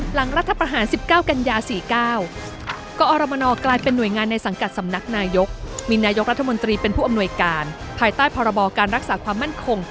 หลังรัฐประหาร๑๙กันยา๔๙